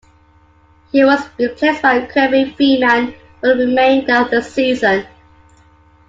He was replaced by Kirby Freeman for the remainder of the season.